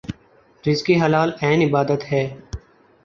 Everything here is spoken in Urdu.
رزق حلال عین عبادت ہے